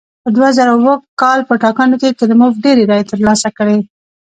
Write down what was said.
د دوه زره اووه کال په ټاکنو کې کریموف ډېرې رایې ترلاسه کړې.